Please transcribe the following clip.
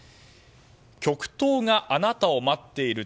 極東があなたを待っている。